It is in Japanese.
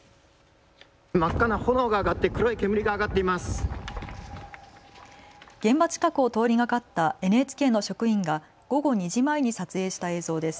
真っ赤な炎が上がって黒い煙が上がっています。